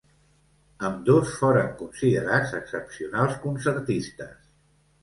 Ambdós, foren considerats excepcionals concertistes.